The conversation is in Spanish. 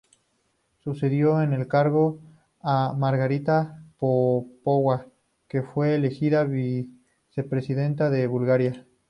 Sucedió en el cargo a Margarita Popova, que fue elegida vicepresidenta de Bulgaria.